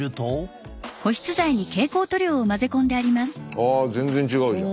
ああ全然違うじゃん。